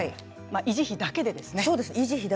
維持費だけです。